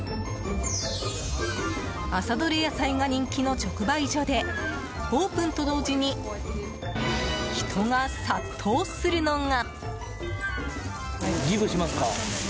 朝どれ野菜が人気の直売所でオープンと同時に人が殺到するのが。